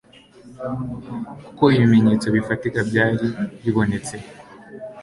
kuko ibimenyetso bifatika byari bibonetse